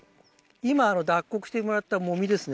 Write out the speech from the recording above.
今脱穀してもらった籾ですね。